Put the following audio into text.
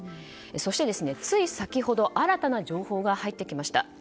そして、つい先ほど新たな情報が入ってきました。